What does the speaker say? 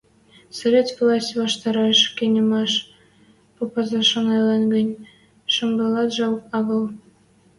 Совет власть ваштареш кемӓшеш попазышы ылеш гӹнь, шӱмбелӓт жӓл агыл...